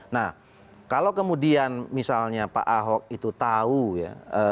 nah kalau kemudian misalnya pak ahok itu tahu ya